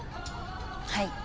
はい。